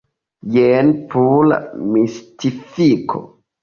Jen pura mistifiko.